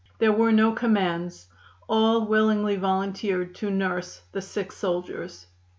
There were no commands; all willingly volunteered to nurse the sick soldiers.